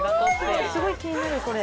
すごい気になるこれ。